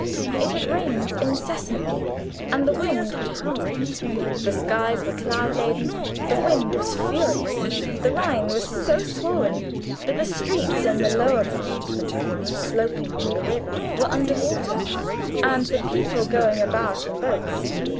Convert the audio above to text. It had rained incessantly, and the wind had howled. The skies were cloud laden, the wind was furious. The Rhine was so swollen that the streets in the lower part of the town sloping to the river were under water, and the people going about in boats.